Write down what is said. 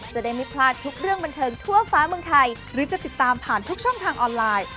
จะได้ไม่พลาดทุกเรื่องบันเทิงทั่วฟ้าเมืองไทยหรือจะติดตามผ่านทุกช่องทางออนไลน์